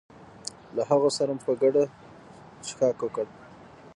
له هغو سره مو په ګډه څښاک وکړ.